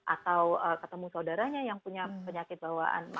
atau ketemu saudaranya yang punya penyakit bawaan